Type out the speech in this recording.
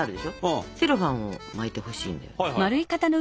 セロファンを巻いてほしいのよ。